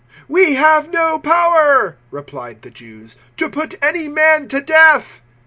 "We have no power," replied the Jews, "to put any man to death."